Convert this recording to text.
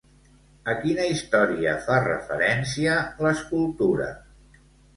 A quina història fa referència l'escultura?